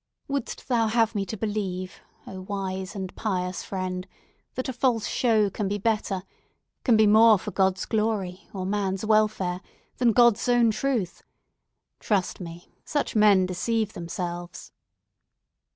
Would thou have me to believe, O wise and pious friend, that a false show can be better—can be more for God's glory, or man's welfare—than God's own truth? Trust me, such men deceive themselves!"